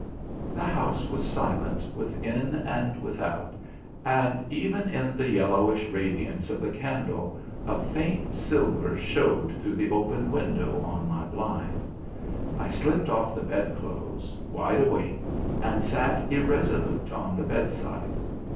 The house was silent within and without, and even in the yellowish radiance of the candle a faint silver showed through the open window on my blind. I slipped off the bedclothes, wide awake, and sat irresolute on the bedside.